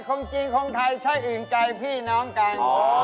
คนจีนคนไทยใช่อื่นใจพี่น้องกัน